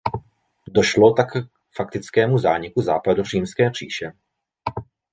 Došlo tak k faktickému zániku Západořímské říše.